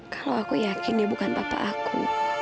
kalau aku yakin ya bukan papa aku